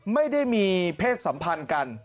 ไม่ได้มีเพศสัมพันธ์กัน